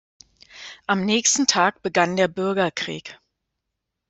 Am nächsten Tag begann der Bürgerkrieg.